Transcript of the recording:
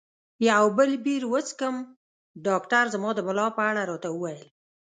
یو بل بیر وڅښم؟ ډاکټر زما د ملا په اړه راته وویل.